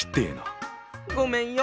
ごめんよ